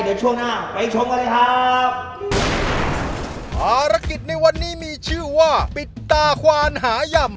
เดี๋ยวช่วงหน้าไปชมกันเลยครับภารกิจในวันนี้มีชื่อว่าปิดตาควานหาย่ำ